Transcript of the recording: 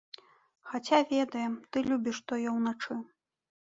Хаця ведаем, ты любіш тое ўначы.